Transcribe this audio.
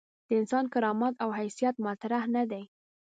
د انسان کرامت او حیثیت مطرح نه دي.